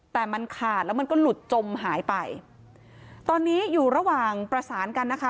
แต่มันขาดแล้วมันก็หลุดจมหายไปตอนนี้อยู่ระหว่างประสานกันนะคะ